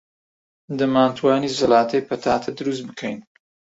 دەمانتوانی زەڵاتەی پەتاتە دروست بکەین.